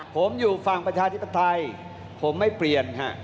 ผมอยู่ฝั่งประชาธิปไตยผมไม่เปลี่ยนฮะ